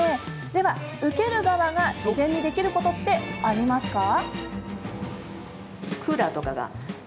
では、受ける側が事前にできることってありますか？